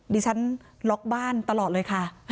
ดิฉันล็อกบ้านตลอดเลยค่ะ